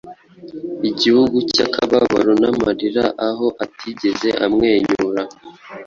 Igihugu cy'akababaro n'amarira aho atigeze amwenyura.